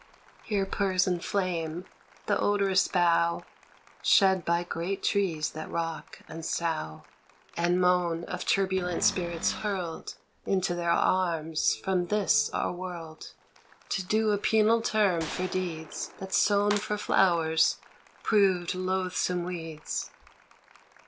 Here purrs in flame the odorous bough Shed by great trees that rock and sough, And moan of turbulent spirits hurled Into their arms from this our world 44 A HOME To do a penal term for deeds That sown for flowers proved loathsome weeds.